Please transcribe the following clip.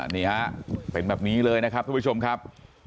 นี่ฮะเป็นแบบนี้เลยนะครับทุกผู้ชมครับ